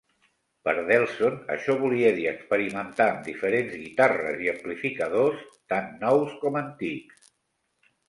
Per Delson, això volia dir experimentar amb diferents guitarres i amplificadors, tant nous com antics.